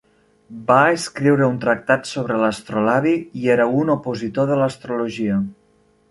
Va escriure un tractat sobre l'astrolabi i era un opositor de l'astrologia.